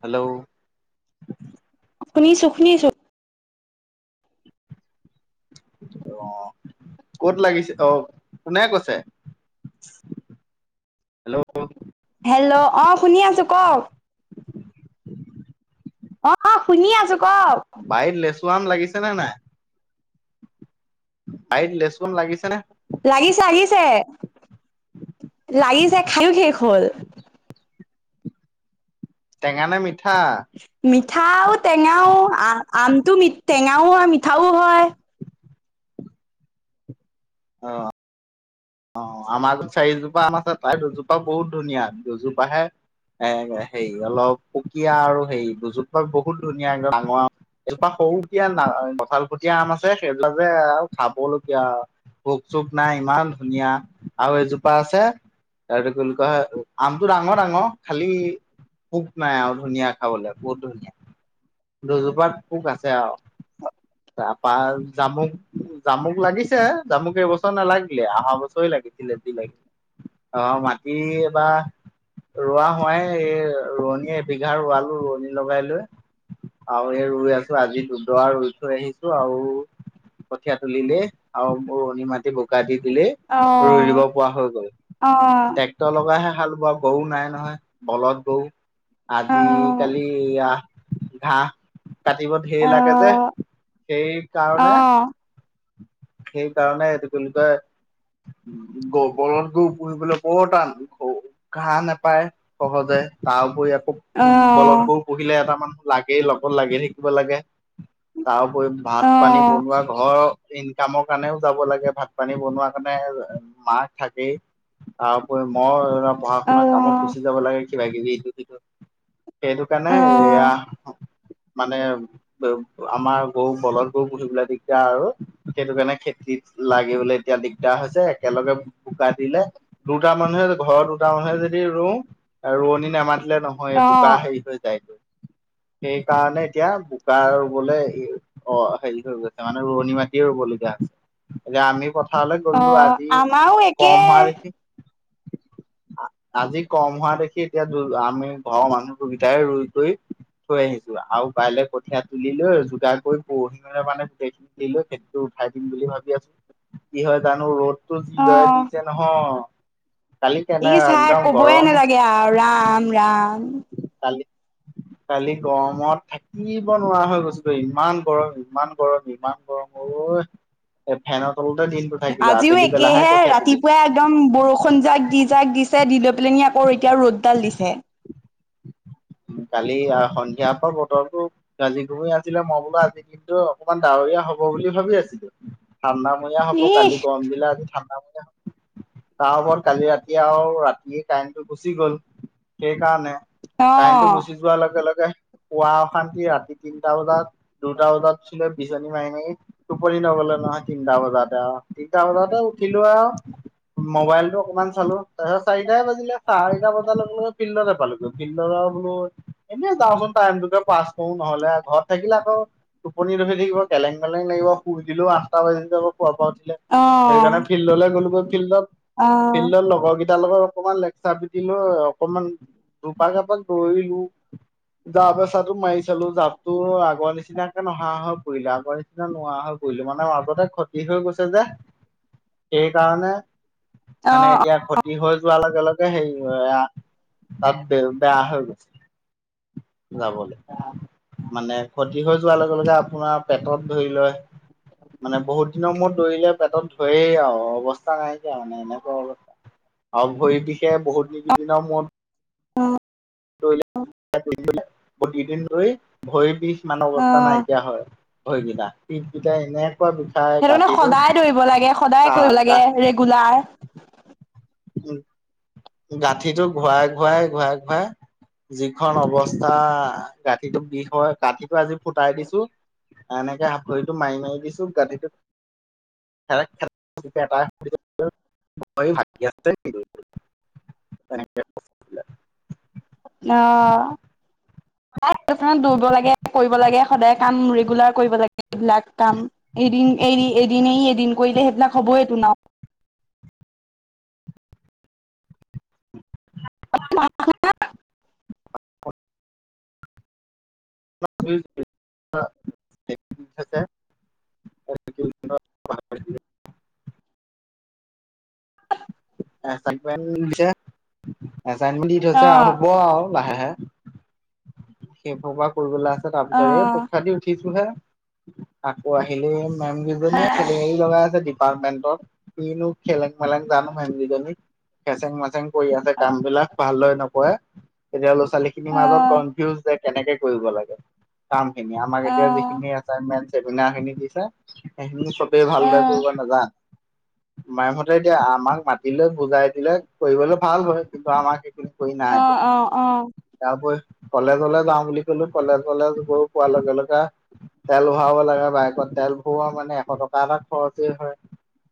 Hello. শুনিছো শুনিছো। আহ, কত লাগিছে অ, কোনে কৈছে? হেল্ল'। হেল্ল', অ শুনি আছো কওক। অ শুনি আছো ক। চোৱান লাগিছে নে নাই? হাইত লেচ গ লাগিছে নে? লাগিছে -লাগিছে, লাগিছে খাইো শেষ হল। টেঙা নে মিঠা। মিঠাও-টেঙাও, আমটো টেঙাও হয় মিঠাও হয়। অঁ। অঁ আমাৰো চাৰিজোপা আম আছে তাই দুজোপা- বহুত ধুনীয়া, দুজোপা আহে এ হেৰি অলপ পুকীয়া আৰু হেৰি দুজোপা। বহুত ধুনীয়া এক ডাঙৰ, এপা সৰুকিয়া ন কঠালকুটীয়া আম আছে। সেইবিলা যে আৰু খাবলগীয়া ভোক -চোক নাই ইমান- ধুনীয়া আৰু এজোপা আছে তাৰ কি বুলি কয় আমটো ডাঙৰ ডাঙৰ খালি- পোক নাই আৰু ধুনীয়া খাবলৈ বহুত ধুনীয়া। দুজোপাত পোক আছে আৰু। পা জামুক -জামুক লাগিছে, জামুক এইবছৰ নালাগিলে আ। অহা বছৰে লাগিছিলে যি লাগিছিলে। অ মাটি এবাৰ ৰোৱা হোৱাই এই ৰোৱনীয়ে- এবিঘাৰ ৰুয়ালোঁ ৰোৱনী লগাই লৈ আৰু এই ৰুই আছো আজি দুদৰা ৰুই থৈ আহিছো আৰু কঠিয়া তুলিলে আৰু বুৰণি মাটি বোকা দি দিলো অ ৰুই দিব পৰা হৈ গ'ল অ ট্ৰেক্টৰ লগাই হে ভাল বোৱা গৰু নাই নহয় বলধ গৰু অ আজি-কালি এইয়া ঘাঁহ কাটিব ধেৰ অ লাগে যে সেই অ কাৰণে সেই কাৰণ এইটো কি বুলি কয় বলধ গৰু পুঢ়িবলৈ বৰ টান ঘ ঘাঁহ নেপায় সহজে তাৰ উপৰি আকৌ অ উম বলধ গৰু পুঢ়িলে এটামান লাগেই লগত লাগি থাকিব লাগে তাৰউপৰি অ ভাত পানী বনোৱা ঘৰ ইনকামৰ কাৰণেও যাব লাগে ভাত পানী বনোৱা কাৰণে মাক থাকেই। তাৰ উপৰি মই পঢ়া শুনা কামত গুচি যাব লাগে কিবা কিবি ইটো সিটো সেইটো কাৰণে অ অ এয়া। মানে আমাৰ গৰু বলধ গৰু পুঢ়িবলৈ দিগদাৰ আৰু সেইটো কাৰণে খেতিত লাগিবলে এতিয়া দিগদাৰ হৈছে একেলগে বোকা দিলে দুটা মানুহে ঘৰৰ দুটা মানুহে যদি ৰো ৰোৱনী নেমাত নেমাতিলে নহয় অ বোকা হেৰি হৈ যায়গৈ সেইকাৰণে এতিয়া বোকা ৰুবলৈ অ হেৰি হৈ গৈছে মানে ৰোৱনী মা। মাটিয়ে ৰুব লগীয়া এতিয়া আমি পথাৰলৈ অ গ'লো আজি আমাৰো একে কম হোৱা দেখি আজি কম হোৱা দেখি এতিয়া আমি ঘৰৰ মানুহটো গিতাই ৰুই থৈ থৈ আহিছো আৰু কাইলে কঠীয়া তুলিলৈ যোগাৰ কৰি পৰহিলৈ মানে গোটেইখিনি দি লৈ খেতিটো উঠাই দিম বুলি ভাবি আছো কি হয় জানো ৰ'দটো অ যিদৰে দিছে নহয় কালি ই কেনে চাই একদম কবয়ে গৰম নালাগে আৰু ৰাম ৰাম কালি কালি গৰমত থাকিব নোৱাৰা হৈ গৈছিলো ইমান গৰম ইমান গৰম ইমান গৰম অই আজিও একেহে কঠীয়া তুলিলো ৰাতিপুৱাই একদম বৰষুণ যাক দি যাক দিছে দিলৈ পেলেঙিয়া কৈ আকৌ এতিয়া ৰ'দডাল দিছে উম [unintelligible] কালি আহ সন্ধিয়াৰ পৰা বতৰটো গাজি ঘুমৈ আছিলে মই বোলো আজিৰ দিনতটো অকমান ডাৱৰীয়া হ'ব বুলি ভাবি আছিলো ঠাণ্ডামীয়া হব ইহ। কালি গৰম দিলা আজি ঠাণ্ডামীয়া হব তাৰ ওপৰত কালি ৰাতি আৰু ৰাতিয়ে কাৰেণ্টো গুচি গ'ল সেইকাৰণে কাৰেণ্টটো অ', গুচি যোৱাৰ লগে লগে শুৱা অশান্তি ৰাতি তিনটা বজাত দুটা বজাতছিলে বিচনী মাই মাই টোপনি নগলো নহয় তিনিটা বজাতে আও তিনটা বজাতে উঠিলো আও মবাইলতটো অকনমান চালো তাৰপিছত চাৰিটাই বাজিলে চাৰিটা বজাৰ লগে লগে ফিল্ডত পালোগে ফিল্ডবোলো এনেই যাওঁচোন টাইমটোকে পাছ কৰো নহলে ঘৰত থাকিলে আকৌ টোপনি ধৰি থাকিব কেলেং কেলেং লাগিব শুই দিলো আঠটা বাজি যাব খোৱাৰ পৰা উঠিলে সেই কাৰণে অ', ফিল্ডলে গলো গৈ ফিল্ডত অ', ফিল্ডৰ লগৰ কেইটাৰ লগত অকমান লেকচাৰ পিটিলো অকমান এপাক এপাক দৌৰিলোঁ জাপ এচাটো মাৰি চালো জাপতো আগৰ নিচিনাকে নহা হৈ পৰিলে আগৰ নি নিচিনা নোৱাৰা হৈ পৰিলো মানে মাজতে খতি হৈ গৈছে যে সেই কাৰণে মানে অ', এতিয়া খতি হৈ যোৱাৰ লগে লগে সেই তাত ব বেয়া হৈ গৈছে যাবলৈ মানে ক্ষতি হৈ যোৱাৰ লগে লগে আপোনাৰ পেটত ধৰি লয় মানে বহুত দিনৰ মূৰত দৌৰিলে পেটত ধৰেই আৰু অৱস্থা নাইকিয়া মানে এনেকুৱা অৱস্থা আৰু ভৰি বিষে বহুতকেইদিনৰ মূৰত [unintelligible] ভৰি বিষ কিমানৰ অৱস্থা অ', নাইকিয়া হয় ভইকেইটা পকেইটা এনে বিষাই সেইটো কাৰণে গাঁঠীটো সদায় দৌৰিব লাগে সদায় গা কৰিব লাগে গা। ৰেগুলাৰ উ গাঁঠিটো ঘূৰাই ঘূৰাই ঘূৰাই ঘূৰাই যিখন অৱস্থা গাঁঠটো বিষ হয় গাঠীটো আজি ফুটাই দিছো। এনেকে হাকোৰিটো মাৰি মাৰি দিছো গাঁঠীটোত [unintelligible] [unintelligible] অ ত দৌৰিব লাগে কৰিব লাগে সদায় কাম ৰেগুলাৰ কৰিব লাগে এইবিলাক কাম এদিন এৰি এদিন আহি এদিন কৰিলে সেইবিলাক হ'বই তোমাৰ [unintelligible] [unintelligible] [unintelligible] এচাইনমেন্ট দিছে এচাইনমেট দি থৈছে আৰু অ', হ'ব আৰু লাহে সেইসোপা কৰিবলৈ আছে তাৰ অ', পিছত এই অ', পৰীক্ষা দি উঠিছোহে আকৌ আহিলেই মেম গেজনিয়ে খেলি মেলি লগাই আছে ডিপাৰ্টমেন্টত কিনো জানো মেম কিজনি খেচেং মাচেং কৰি আছে অ', কাম বিলাক ভালদৰে নকৰে তেতিয়া ল'ৰা ছোৱালী খিনিৰ মাজত অ', কনফিউজ কেনেকে কৰিব লাগে কাম খিনি আমাক এতিয়া অ', যিখিন এচাইমেন খিনি দিছে সেইখিনি চবেই ভালদৰে ফুৰি নাজান মায়হঁতে এতিয়া আমাক মাতিলে বুজাই দিলে কৰিব ভাল হয় কিন্তু আমাক সেইখিনি কৰি নাই এতিয়া অ', তাৰ উপৰি কলেজ কলেজলে যাওঁ বুলি কলে কলো কলেজলে গৈ পোৱা লগে লগে। তেল ভৰাব লাগে বাইকত তেল ভৰোৱা মানে এশ টকা এটা খৰচেই হয়।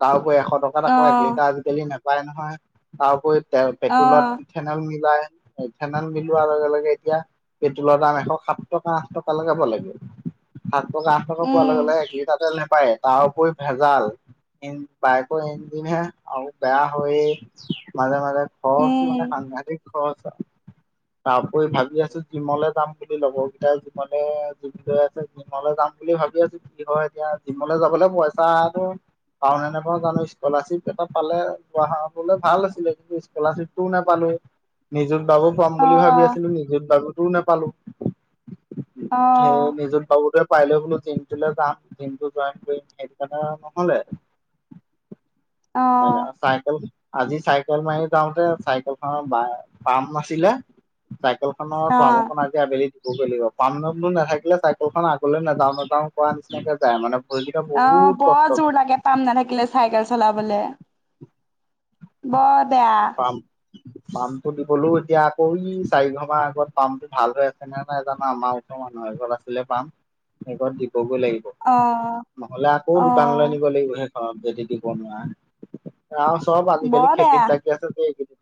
তাৰপৰি এশ টকাত অ', আকৌ এক অ', লিটাৰ আজিকালি নাপায় নহয় তাৰপৰি পেট্ৰলত অ', ইথেনল মিলাই ইথেনেল মিলোৱাৰ লগে লগে এতিয়া পেট্ৰলৰ দাম এশ সাত টকা আঠ টকালেকে পালে গে সাত সাত টকা আঠ টকা পোৱা উম লগে লগে এক লিটাৰ তেল পায় তাৰ উপৰি ভেজাল বাইকৰ ইঞ্জিন হে আৰু বেয়া হৈ মাজে মাজে খৰচ মানে উম সাংঘাতিক তাৰপৰি ভাবি আছো। জিমলৈ যাম বুলি লব কেইটাই জিমলে লৈ আছে জিমলে যাম বুলি ভাবি আছো কি হয় এতিয়া জিমলৈ যাবলৈ পইচাটো পাওঁ নে নাপাওঁ জানো স্কলাৰশ্বিপ এটা পালে যোৱা। ভাল আছিলে কিন্তু স্কলাৰশ্বিপটোও নাপালোৱেই নিযুত বাবুয় পাম অ বুলি ভাবি আছিলো নিযুত বাব নাপালো অ সে নিযুত বাবুটোয়ে পাৰিলে বোলো জিমটোলৈ যাম দিনটো জইন কৰিম সেই কাৰণে নহলে অ চাইকেল আজি চাইকেল মাৰি যাওঁতে চাইকেল খনৰ পাম নাছিলে। চাইকেলখনৰ অ পামখনৰ আজি আবেলি পামনু নাথাকিলে চাইকেলখন আগলৈ নাযাও নাযাও কৰা নিচিনাকে যায় মানে। ভৰিকেইটা অ বহুত কষ্ট বৰ কৰে। জোৰ লাগে পাম নাথাকিলে চাইকেল চলাবলে বৰ বেয়া পাম পামটো দিবলৈও এতিয়া আকৌ ই চাৰি ঘৰ মান আগত পামটো ভাল হৈ আছে নে নাই জানো আমাৰ মানুহৰ ঘৰত আছিলে পাম সেই ঘৰত কবই লাগিব অ নহলে আকৌ অ দোকানলৈ নিব লাগিব হে অ বেজী দি বনোৱা আৰু চব আজিকালি বৰ বেয়া খেতিত লাগি আছে এইকেইদিন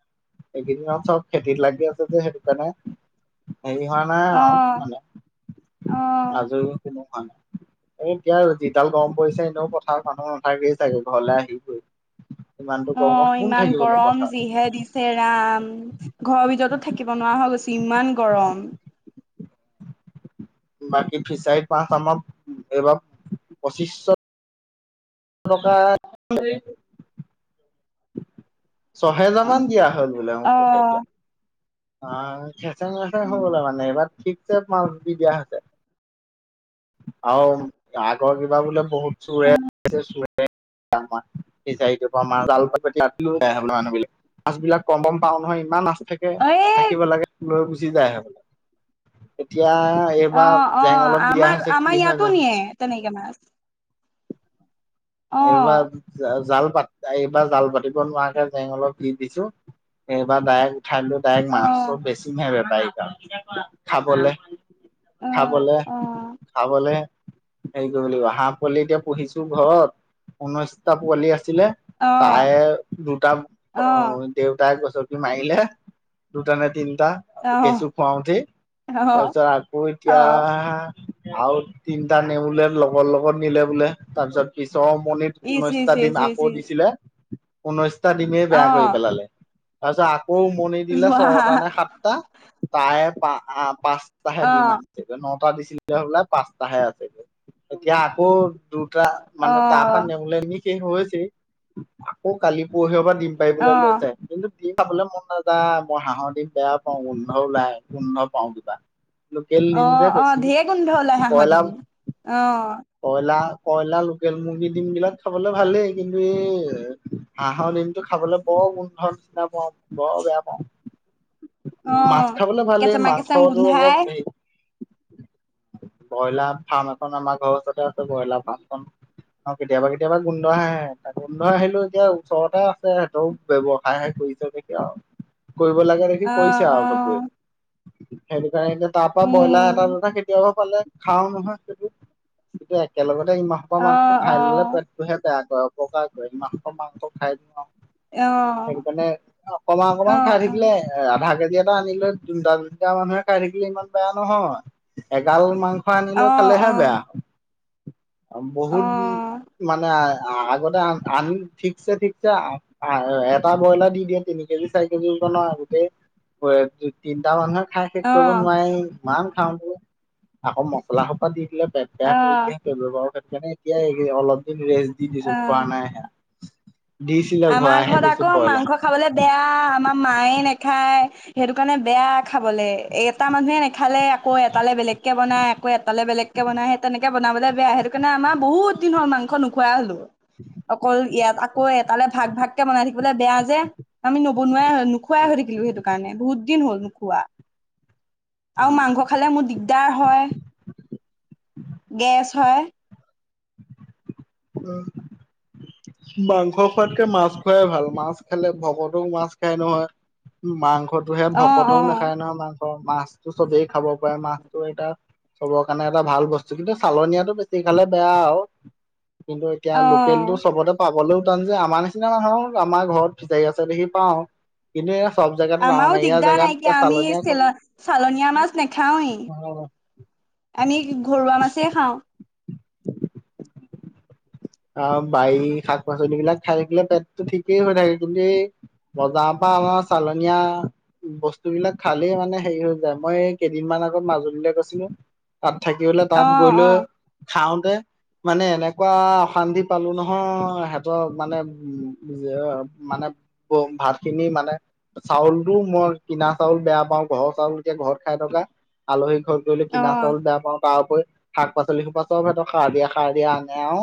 এইকেইদিনত চব খেতিত লাগি আছে যে সেইটো কাৰণে হেৰি হোৱা নাই অ আৰু মানে অ আজৰি কোনো হোৱা নাই এই এতিয়া যিডাল গৰম পৰিছে এনেও পথাৰ মানুহ নাথাকে চাগে ঘৰলৈ আহিবৈ। ইমানটো অ গৰমত কোন ইমান থাকিব নো গৰম পথ যিহে দিছে ৰাম, ঘৰৰ ভিতৰতো থাকিব নোৱাৰা হৈ গৈছো ইমান গৰম। বাকী ফিচাৰী পাছ আমাৰ, এইবাৰ পঁচিছশ টকা [unintelligible] ছহেজাৰ উম, মান দিয়া হল বোলে অ [unintelligible] এতিয়া। অ', খেচেং মেচেং হৈ উম, গল মানে এইবাৰ ঠিকছে মাছ দি দিয়া হৈছে। আৰু আগৰ কিবা বোলে বহুত চোৰে চোৰে [unintelligible] মাছবিলাক কম গম পাও নহয় ইমান মাছ থাকে, এই থাকিব লাগে লৈ গুচি গুচি যায় বোলে এতিয়া অ এইবাৰ অ জেং অলপ দিয়া আমাৰ হৈছে কি আমাৰ হয় জানো। ইয়াতো নে এ তেনকে মাছ অ এইবাৰ জাল এইবাৰ জাল পাতিব নোৱাৰাকে জেং অলপ দি দিছো এইবাৰ ডাইৰেক খাইয়ো ডাইৰেক্ অ মাছৰ বেছি নাহে বেপাৰ কাৰ খাবলৈ অ খাবলে অ খাবলে হেৰি কৰিব লাগিব হাঁহ পোৱালি এতিয়া পঢ়িছো ঘৰত ঊনৈশটা পোৱালি আছে। ছিলে অ তাই দুটা অ দেউতাই কৈছ- মাৰিলে দুটা নে তিনিটা অ', কেঁচু খুৱাওতে অ', তাৰপিছত আকৌ এতিয়া অ', আ তিনিটা নে বোলে লগৰ লগত নিলে বোলে তাৰ পিছত প [unintelligible] ইচ, ঊনৈশটা ইচ, দিন ইচ, ইচ, আকৌ ইচ। দিছিলে ঊনৈশ টা ডিমে বেয়া কৰি অ', পেলালে, তাৰপিছত আকৌ উমনি দিলে ৱাহ, ছয়টা নে সাতটা তাই পা পাঁচটাহে দিম অ', আছে নটা দিছিলে হলে পাঁচটাহে আছে। এতিয়া আকৌ দুটা মানে তাৰ পৰা অ', [unintelligible] শেষ হৈছে। অ', কালি পৰহি পৰা দিম পাৰিবলৈ অ', লৈছে কিন্তু দিম খাবলৈ মন নাযায় মই হাঁহৰ দিম বেয় পাওঁ গোন্ধ ওলাই, গোন্ধ পাওঁ কিবা। লোকেল দিম যে অ', অ', বেছি, ঢেৰ গোন্ধ ওলাই হাঁহৰ কয়লা ডিম। অ', কয়লা-কয়লা লোকেল মুৰ্গীৰ দিম বিলাক খাবলে ভালেই কিন্তু এই, হাঁহৰ দিনটো খাবলৈ বৰ গোন্ধৰ নিচিনা পোৱা বৰ বেয়া পাওঁ মাছ অ', খাবলে ভালেই কেঁচেমা মাছ কেঁচেম খাবটো গোন্ধাই। অলপ হেৰি ব্ৰইলাৰ ফাৰ্ম এখন আমাৰ ঘৰৰ ওচৰতে আছে ব্ৰইলাৰ ফাৰ্মখন। আৰু কেতিয়াবা কেতিয়াবা গোন্ধ আহে, গোন্ধ আহিলো এতিয়া ওচৰতে আছে সিহঁৰ ব্যৱসায়হে ক [unintelligible] কৰিব লাগে দেখি অ', কৰিছে আৰু চবৰে, অ', সে [unintelligible] তাৰ পা ব্ৰইলাৰ এটা উম, দুটা কেতিয়াবা পালে খাও নহয় সেইটো, টো একেলগে [unintelligible] অ', মাংস খাই ললে অ', পেটটোহে বেয়া কৰে অপকাৰ কৰে [unintelligible] মাংস খাই অ', সেইকাৰণে, অকমান অ', অকমান খাই অ', অ', থাকিলে আধা কেজি [unintelligible] আনিলৈ তিনটা তিনটা মানুহে খাই থাকিলে‌ ইমান বেয়া নহয়। এগাল মাংস অ', আনিলে খালেহে বেয়া। অ', বহুত, মানে আগতে আনি ঠিকছে ঠিকছে [unintelligible] এটা ব্ৰইলাৰ দি দিয়ে তিনি কেজি চাৰি কেজি ওজন গোটেই তিনটা মানুহে খাই শেষ কৰিব অ', নোৱাৰি কিমান খাম, আকৌ মছলা সপা দি দিলে পেট বেয়া কৰি অ', দিয়ে। তে বেমাৰৰ কাৰণে এতিয়া অলপ দিন ৰেষ্ট দি দিছো খোৱা অ', নাই হে আমাৰ ঘৰত আকৌ ব্ৰইলাৰ। মাংস খাবলে বেয়া, আমাৰ মায়ে নাখায় সেইটো কাৰণে বেয়া খাবলে, এটা মানুহে নেখালে আকৌ এটালে বেলেগকে বনা আকৌ এটালে বেলেগ কে বনা সেই তেনেকে বনাবলৈ বেয়া সেইটো কাৰণে আমাৰ বহুত দিন হল মংস নোখোৱা‌ হ'লো। অকল ইয়াত আকৌ এটালে ভাগ ভাগকে বনাই থাকিবলৈ বেয়া যে। আমি নবনোৱাই নোখোৱাই হৈ থাকিলো সেইটো কাৰণে বহুত দিন হ'ল নোখোৱা। আৰু মাংস খালে মোৰ দিগদাৰ হয়, গেছ হয়। মাংস খোৱাতকে মাছ খোৱাই ভাল মাছ খেলে ভকতক মাছ খাই নহয় মাংসতোহে অ অ ভকতও নাখায় নহয় মাংস মাছতো চবেই খাব পাৰে মাছটো এটা চবৰ কাৰণে এটা ভাল বস্তু কিন্তু চালনীয়াটো বেছি খালে বেয়া আও কিন্তু এতিয়া অ লোকেল টো চবতে পাবলেও যে আমাৰ নিচিনা মানুহ আমাৰ ঘৰত ফিচাৰী আছে দেখি পাও কিন্তু চব জেগাত টাউন আমাৰো এৰিয়া দিগদাৰ জেগাত নাইকিয়া এতিয়া আমি চালনীয়া চ চালনীয়া মাছ নাখাওৱেই খাবলৈ আমি ঘৰুৱা মাছেই খাওঁ অ বাৰী শাক পাচ পাচলিবিলাক খাই থাকিলে পেটটো ঠিকেই হৈ থাকে কিন্তু এই বজাৰৰ পৰা আমাৰ চালনীয়া বস্তু বিলাক খালেই মানে হেৰি হৈ যায় মই এই কেইদিনমান আগত মাজুলীলৈ গৈছিলো তাত থাকিবলৈ অ তাত গৈ অ লৈ খাওঁতে, মানে এনেকুৱা [unintelligible] পালো নহয় সিহঁতৰ মানে উম মানে ভাত খিনি মানে, চাউলটো মই কিনা চাউল বেয়া পাওঁ ঘৰৰ চাউল এতিয়া ঘৰত খাই থকা আলহী ঘৰত গলে অ কিনা চাউল বেয়া পাওঁ। তাৰ উপৰি শাক পাচলি সোপা সব সিহঁতক সাৰ দিয়া সাৰ দিয়া আনে আউ।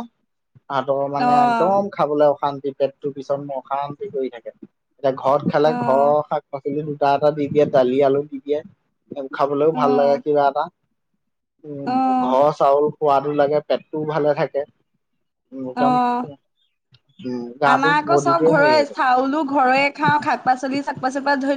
সাহাতৰ অ মানে একদম খাবলৈ অশান্তি পেটটোৰ পিছত অশান্তি কৰি থাকে। এতিয়া ঘৰত খালে অ ঘৰৰ শাক পাচলি দুটা এটা দি দিয়ে দালি আলু দি দিয়ে। খাবলৈও অ ভাল লাগে কিবা এটা। অ উম, ঘৰৰ চাউল খোৱাতো লাগে পেটটোও ভালে থাকে। উম অ একদম উম গাটো আমাৰ আকৌ চব বডিটোৱে হেৰি ঘৰ হৈ থাকে। চাউলো ঘৰে খাওঁ শাক পাচলি শাক পাচলিৰ পৰা ধৰি ল